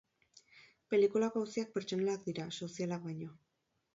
Pelikulako auziak pertsonalak dira, sozialak baino.